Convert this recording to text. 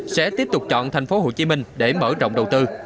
sẽ tiếp tục chọn thành phố hồ chí minh để mở rộng đầu tư